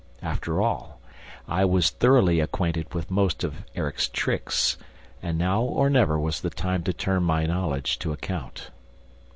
After all, I was thoroughly acquainted with most of Erik's "tricks;" and now or never was the time to turn my knowledge to account.